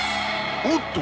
おっと！